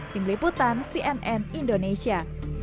tim liputan cnn indonesia